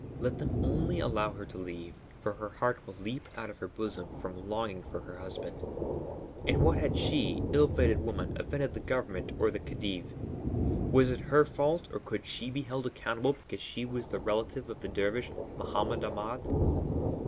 Let them only allow her to leave, for her heart will leap out of her bosom from longing for her husband. In what had she, ill fated woman, offended the Government or the Khedive? Was it her fault or could she be held accountable because she was the relative of the dervish, Mohammed Ahmed?